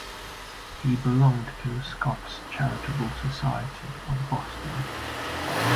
He belonged to the Scots Charitable Society of Boston.